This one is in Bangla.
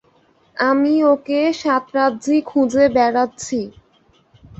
আমি ওকে সাতরাজ্যি খুঁজে বেড়াচ্ছি।